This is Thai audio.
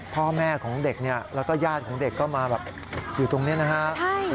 พ่อแม่ของเด็กนักแล้วก็ญาติก็ตรงนี้นะคะ